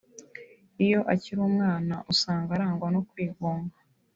Iyo akiri umwana usanga arangwa no kwigunga